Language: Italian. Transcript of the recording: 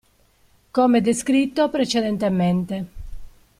Come descritto precedentemente.